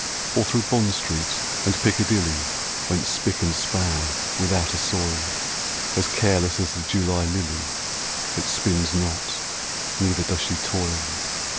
Or through Bond Street and Piccadilly, Went spick and span, without a soil, As careless as the July lily That spins not, neither does she toil.